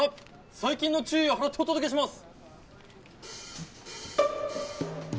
最近の注意を払ってお届けします！